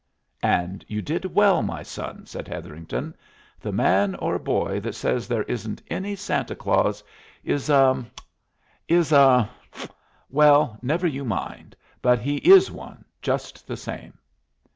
"And you did well, my son," said Hetherington. "The man or boy that says there isn't any Santa Claus is a is a well, never you mind, but he is one just the same."